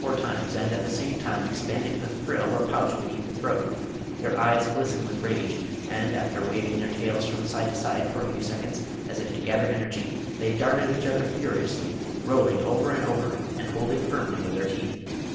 On first seeing one another, they nod their heads up and down three or four times, and at the same time expanding the frill or pouch beneath the throat; their eyes glisten with rage, and after waving their tails from side to side for a few seconds, as if to gather energy, they dart at each other furiously, rolling over and over, and holding firmly with their teeth.